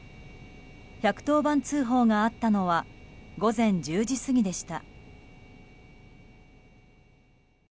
１１０番通報があったのは午前１０時過ぎでした。